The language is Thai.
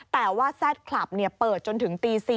แต่ว่าแซ่ดคลับเปิดจนถึงตี๔